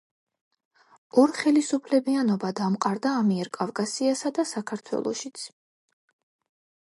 ორხელისუფლებიანობა დამყარდა ამიერკავკასიასა და საქართველოშიც.